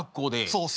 そう。